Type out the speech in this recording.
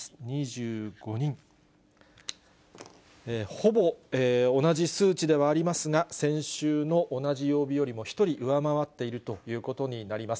ほぼ同じ数値ではありますが、先週の同じ曜日よりも１人上回っているということになります。